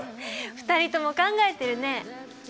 ２人とも考えてるね。